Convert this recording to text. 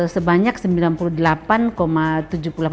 sebanyak sembilan unit usaha